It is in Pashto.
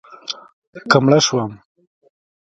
که مړه شوم